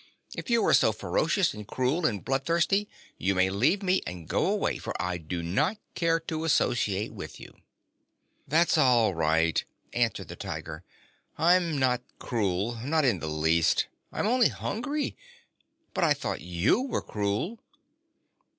If you are so ferocious and cruel and bloodthirsty, you may leave me and go away, for I do not care to associate with you." "That's all right," answered the Tiger. "I'm not cruel not in the least I'm only hungry. But I thought you were cruel."